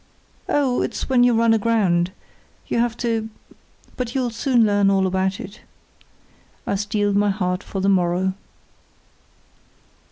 "Oh, it's when you run aground; you have to—but you'll soon learn all about it." I steeled my heart for the morrow.